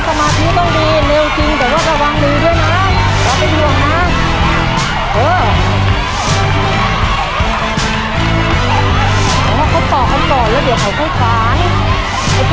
สมาธิต้องดีนะครับ